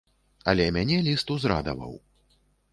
Але мяне ліст узрадаваў.